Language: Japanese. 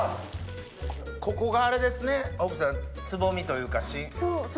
ここがあれですね奥さんつぼみというかしん。